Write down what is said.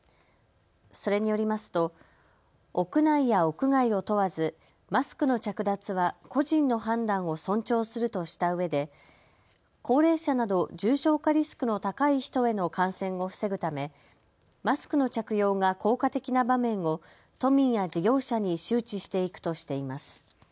それによりますと屋内や屋外を問わずマスクの着脱は個人の判断を尊重するとしたうえで高齢者など重症化リスクの高い人への感染を防ぐためマスクの着用が効果的な場面を都民や事業者に周知していくとしています。